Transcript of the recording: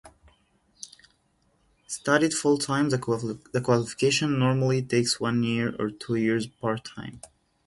Studied full-time, the qualification normally takes one year or two years part-time.